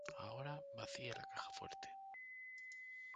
Ahora vacíe la caja fuerte.